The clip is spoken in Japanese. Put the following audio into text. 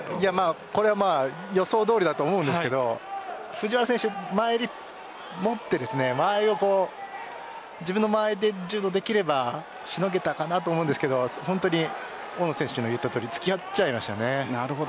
これは予想どおりだと思うんですけど藤原選手、前襟を持って自分の間合いで柔道できればしのげたかなと思うんですけど本当に大野選手の言ったとおり付き合っちゃいましたよね。